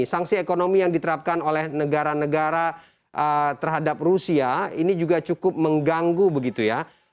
sanksi ekonomi yang diterapkan oleh negara negara terhadap rusia ini juga cukup mengganggu begitu ya